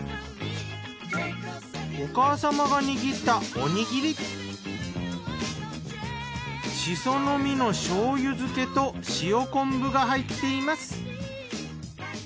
お母様が握ったシソの実の醤油漬けと塩昆布が入っています。